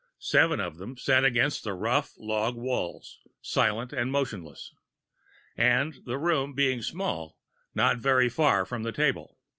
Seven of them sat against the rough log walls, silent and motionless, and, the room being small, not very far from the table.